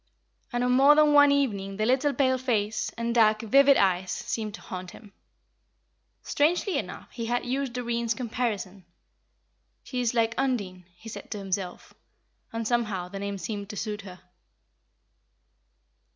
And on more than one evening the little pale face, and dark, vivid eyes seemed to haunt him. Strangely enough he had used Doreen's comparison. "She is like Undine," he said to himself; and somehow, the name seemed to suit her.